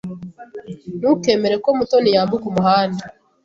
Ntukemere ko Mutoni yambuka umuhanda.